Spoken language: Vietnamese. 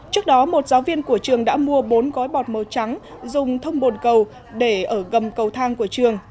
trước đó một giáo viên của trường đã mua bốn gói bọt màu trắng dùng thông bồn cầu để ở gầm cầu thang của trường